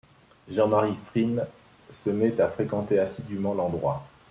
Jean-Marie Frin se met à fréquenter assidûment l'endroit.